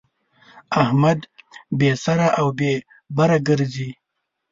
احمد بې سره او بې بره ګرځي.